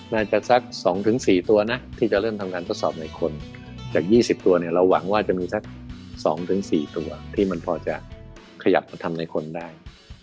น่าจะสัก๒๔ตัวนะที่จะเริ่มทำการทดสอบในคนจาก๒๐ตัวเนี่ยเราหวังว่าจะมีสัก๒๔ตัวที่มันพอจะขยับมาทำในคนได้